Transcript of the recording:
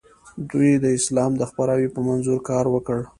دوی د اسلام د خپراوي په منظور کار وکړ.